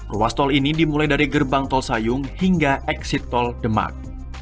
ruas tol ini dimulai dari gerbang tol sayung hingga eksit tol demak